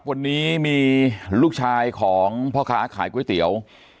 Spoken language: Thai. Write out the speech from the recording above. วันนี้มีลูกชายของพ่อค้าขายก๋วยเตี๋ยว